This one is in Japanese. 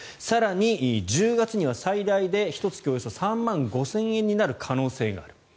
更に１０月には最大でひと月およそ３万５０００になる可能性がある。